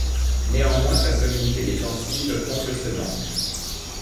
Néanmoins sa solidité défensive comble ce manque.